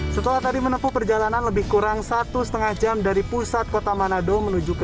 setelah tadi menempuh perjalanan lebih kurang satu setengah jam dari pusat kota manado menuju ke